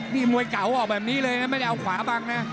มิมัลเก่าออกแบบนี้เลยนะไม่ใช่เอาขวาบ้างนะ